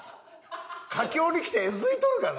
佳境にきてえずいとるがな。